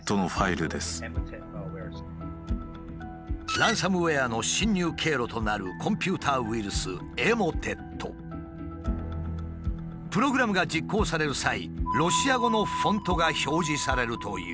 ランサムウエアの侵入経路となるプログラムが実行される際ロシア語のフォントが表示されるという。